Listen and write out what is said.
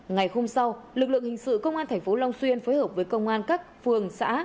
ngày hôm sau lực lượng hình sự công an tp long xuyên phối hợp với công an các phường xã